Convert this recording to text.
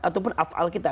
ataupun afal kita